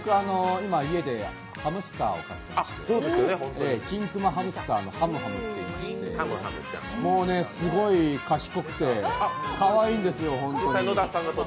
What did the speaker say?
今、家でハムスターを飼ってましてキンクマハムスターのはむはむっていいましてすごい賢くてかわいいんですよ、ホントに。